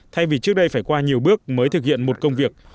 thay vì trước đây phải qua nhiều bước mới thực hiện một công việc